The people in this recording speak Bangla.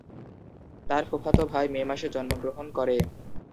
তার ফুফাতো ভাই মে মাসে জন্মগ্রহণ করে।